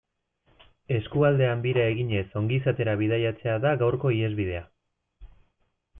Eskualdean bira eginez ongizatera bidaiatzea da gaurko ihesbidea.